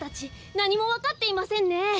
なにもわかっていませんね。